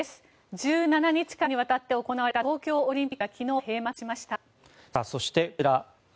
１７日間にわたって行われた東京オリンピックが昨日、閉幕しました。